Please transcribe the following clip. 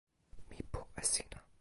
mi pu e sina!